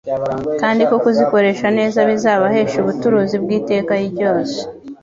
kandi ko kuzikoresha neza bizabahesha ubuturuzi bw'iteka ryose.